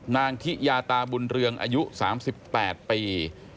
นางทิยาตาบุญเรืองอายุ๓๘ปี